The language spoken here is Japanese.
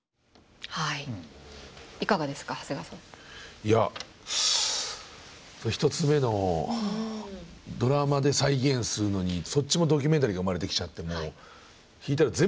いや１つ目のドラマで再現するのにそっちもドキュメンタリーが生まれてきちゃってもう引いたら全部ドキュメンタリーになってるっていう。